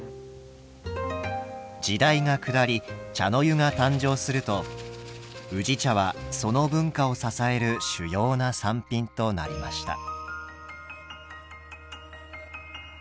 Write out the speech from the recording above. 時代が下り茶の湯が誕生すると宇治茶はその文化を支える主要な産品となりました。